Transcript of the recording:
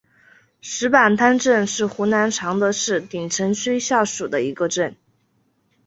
石板滩镇是湖南常德市鼎城区下属的一个镇。